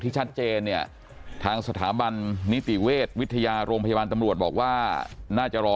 ชัดเจนเนี่ยทางสถาบันนิติเวชวิทยาโรงพยาบาลตำรวจบอกว่าน่าจะรอ